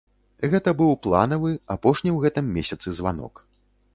Гэта быў планавы, апошні ў гэтым месяцы званок.